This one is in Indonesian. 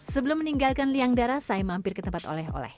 sebelum meninggalkan liang darah saya mampir ke tempat oleh oleh